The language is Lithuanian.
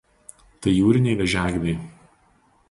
Tai jūriniai vėžiagyviai.